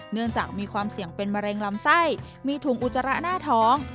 เนื่องจากมีความเสี่ยงเป็นมะเร็งลำไส้มีถุงอุจจาระหน้าท้อง